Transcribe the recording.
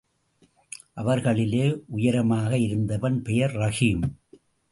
அவர்களிலே உயரமாக இருந்தவன் பெயர் ரஹீம்.